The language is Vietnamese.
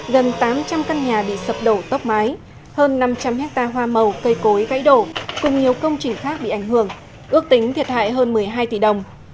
gần tám trăm linh căn nhà bị sập đổ tốc mái hơn năm trăm linh hectare hoa màu cây cối gãy đổ cùng nhiều công trình khác bị ảnh hưởng ước tính thiệt hại hơn một mươi hai tỷ đồng